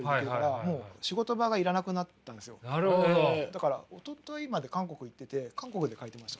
だからおとといまで韓国行ってて韓国で描いてました。